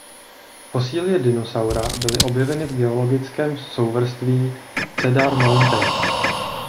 Fosilie dinosaura byly objeveny v geologickém souvrství Cedar Mountain.